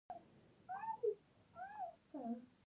ټکسټولوجي هغه علم دﺉ، چي د متن ټول اړخونه مطالعه کوي.